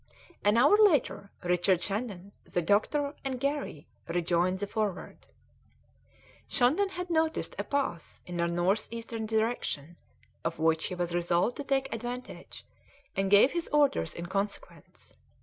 An hour later, Richard Shandon, the doctor, and Garry rejoined the Forward. Shandon had noticed a pass in a north eastern direction of which he was resolved to take advantage, and gave his orders in consequence.